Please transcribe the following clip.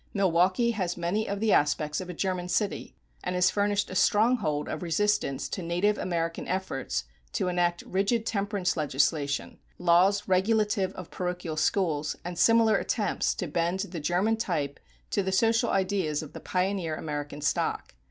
Milwaukee has many of the aspects of a German city, and has furnished a stronghold of resistance to native American efforts to enact rigid temperance legislation, laws regulative of parochial schools, and similar attempts to bend the German type to the social ideas of the pioneer American stock.